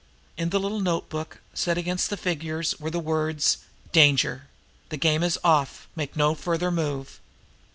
In the little notebook, set against the figures, were the words: "Danger. The game is off. Make no further move."